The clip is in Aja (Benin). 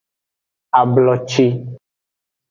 Abloci.